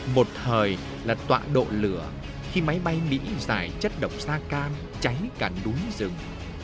một thời là tọa độ lửa khi máy bay mỹ giải chất độc sa cam cháy cả núi rừng